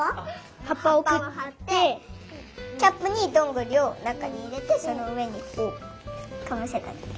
はっぱをはってキャップにどんぐりをなかにいれてそのうえにかぶせただけ。